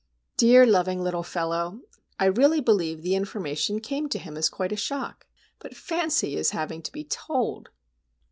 Dear, loving, little fellow! I really believe the information came to him as quite a shock. But fancy his having to be told!